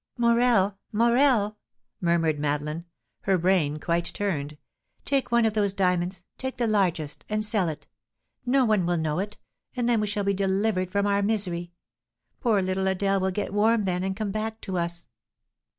"Morel, Morel!" murmured Madeleine, her brain quite turned, "take one of those diamonds take the largest and sell it; no one will know it, and then we shall be delivered from our misery; poor little Adèle will get warm then, and come back to us."